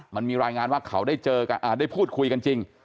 มันมีรายงานว่าเขาได้เจอกันอ่าได้พูดคุยกันจริง